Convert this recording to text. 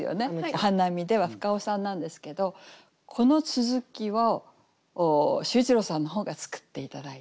「お花見で」は深尾さんなんですけどこの続きを秀一郎さんの方が作って頂いて。